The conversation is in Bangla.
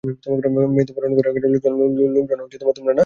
আমাদের লোকজন, তোমরা না।